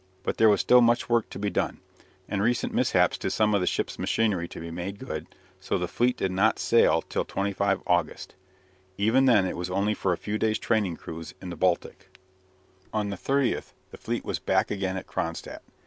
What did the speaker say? But there was still much work to be done, and recent mishaps to some of the ships' machinery to be made good, so the fleet did not sail till 25 August. Even then it was only for a few days' training cruise in the Baltic. On the 30th the fleet was back again at Cronstadt.